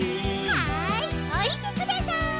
はいおりてください。